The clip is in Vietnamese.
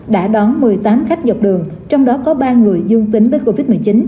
đã đón một mươi tám khách dọc đường trong đó có ba người dương tính với covid một mươi chín